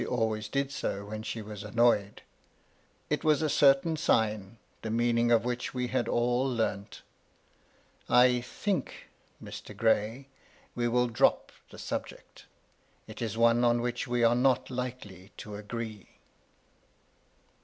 always did so when she was annoyed ; it was a certain sign, the meaning of which we had all learnt. " I think, Mr. Gray, we will drop the subject. It is one on which we are not likely to agree." Mr.